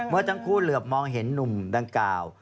เมื่อทั้งคู่เหลือบมองเห็นหนุ่มดังกล่าว